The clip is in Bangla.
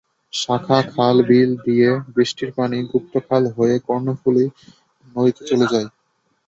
শাখা খাল-বিল দিয়ে বৃষ্টির পানি গুপ্তখাল হয়ে কর্ণফুলী নদীতে চলে যায়।